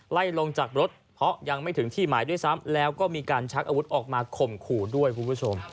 ไล่ลงจากรถเพราะยังไม่ถึงที่หมายด้วยซ้ำแล้วก็มีการชักอาวุธออกมาข่มขู่ด้วยคุณผู้ชม